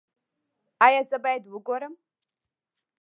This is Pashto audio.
ایا زه باید وګورم؟